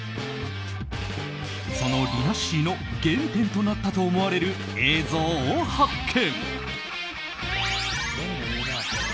そのりなっしーの原点となったと思われる映像を発見。